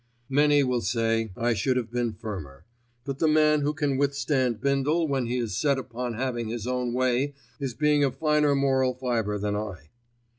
Many will say I should have been firmer; but the man who can withstand Bindle when he is set upon having his own way is a being of finer moral fibre than I.